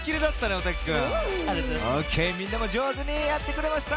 オッケーみんなもじょうずにやってくれました。